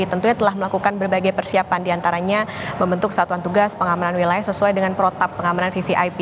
tentunya telah melakukan berbagai persiapan diantaranya membentuk satuan tugas pengamanan wilayah sesuai dengan protap pengamanan vvip